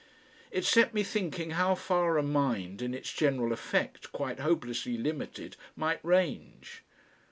It set me thinking how far a mind in its general effect quite hopelessly limited, might range.